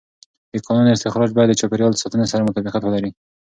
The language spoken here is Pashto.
د کانونو استخراج باید د چاپېر یال ساتنې سره مطابقت ولري.